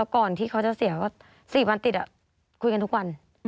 ก่อนที่เขาจะเสียก็๔วันติดคุยกันทุกวัน